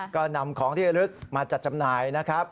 ก็นำของที่ที่ให้ฤกษ์มาจัดจำหน่ายครับ